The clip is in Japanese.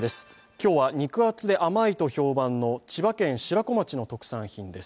今日は肉厚で甘いと評判の千葉県白子町の特産品です。